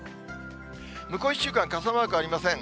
向こう１週間、傘マークありません。